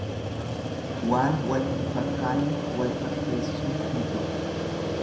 Waan wal hin fakkaanne wal fakkeessuun hin ta'u.